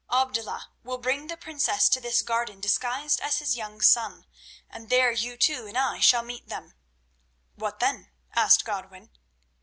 Abdullah will bring the princess to this garden disguised as his young son, and there you two and I shall meet them." "What then?" asked Godwin.